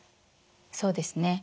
そうですね。